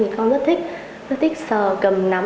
thì con rất thích rất thích sờ cầm nắm